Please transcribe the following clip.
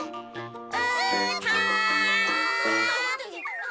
うーたん！